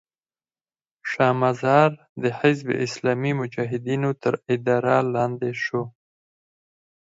شا مزار د حزب اسلامي مجاهدینو تر اداره لاندې شو.